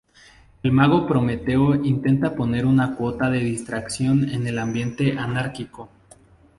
El mago Prometeo intenta poner una cuota de distracción en el ambiente anárquico.